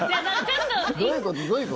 どういうこと？